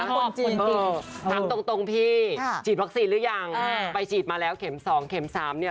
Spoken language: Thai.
คำตรงพี่จีดวัคซีนหรือยังไปจีดมาแล้วเข็ม๒เข็ม๓เนี่ย